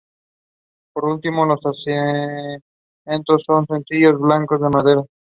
Por último, los asientos, son sencillos bancos de madera.